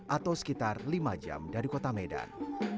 atau sekitar lima jam dari kota medan